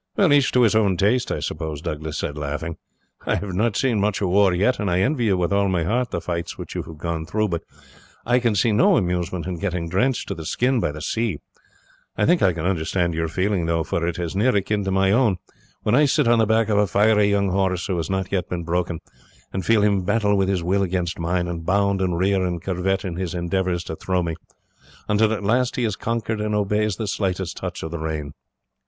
"Well, each to his taste, I suppose," Douglas said, laughing; "I have not seen much of war yet, and I envy you with all my heart the fights which you have gone through; but I can see no amusement in getting drenched to the skin by the sea. I think I can understand your feeling, though, for it is near akin to my own when I sit on the back of a fiery young horse, who has not yet been broken, and feel him battle with his will against mine, and bound, and rear, and curvet in his endeavours to throw me, until at last he is conquered and obeys the slightest touch of the rein."